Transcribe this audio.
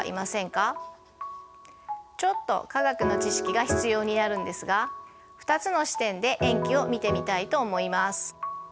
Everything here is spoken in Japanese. ちょっと化学の知識が必要になるんですが２つの視点で塩基を見てみたいと思います。